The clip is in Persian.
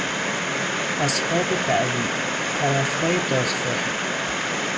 اصحاب دعوی، طرفهای دادخواهی